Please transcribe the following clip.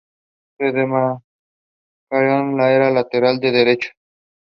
It is the only tree fern native to Europe.